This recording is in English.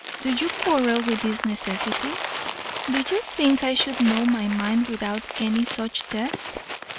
Do you quarrel with this necessity? Do you think I should know my mind without any such test?